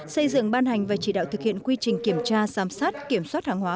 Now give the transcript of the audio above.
xây dựng ban hành và chỉ đạo thực hiện quy trình kiểm tra giám sát kiểm soát hàng hóa